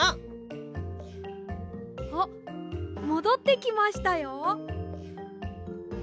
あっもどってきましたよ。